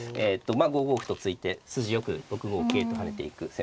まあ５五歩と突いて筋よく６五桂と跳ねていく攻めもありますね。